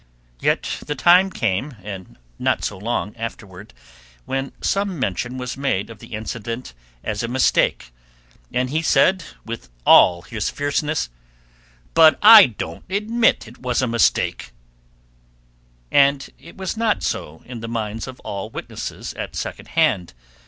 Yet the time came, and not so very long afterward, when some mention was made of the incident as a mistake, and he said, with all his fierceness, "But I don't admit that it was a mistake," and it was not so in the minds of all witnesses at second hand.